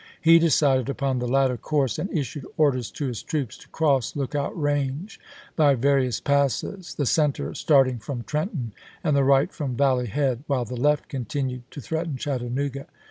He decided upon the latter course, and issued orders to his troops to cross Lookout Range by various passes, the center start ing from Trenton and the right from Valley Head, while the left continued to threaten Chattanooga.